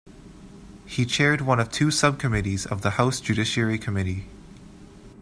He chaired one of two subcommittees of the House Judiciary Committee.